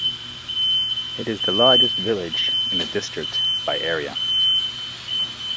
It is the largest village in the district by area.